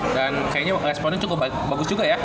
dan kayaknya responnya cukup bagus juga ya